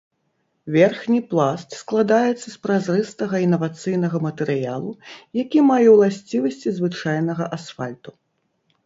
Верхні пласт складаецца з празрыстага інавацыйнага матэрыялу, які мае ўласцівасці звычайнага асфальту.